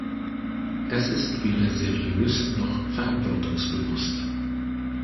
Das ist weder seriös noch verantwortungsbewusst.